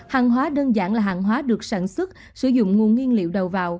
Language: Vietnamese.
hàng hóa đơn giản là hàng hóa được sản xuất sử dụng nguồn nguyên liệu đầu vào